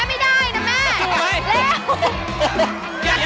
แม่แพ้ไม่ได้นะแม่